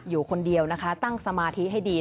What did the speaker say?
อยู่คนเดียวนะคะตั้งสมาธิให้ดี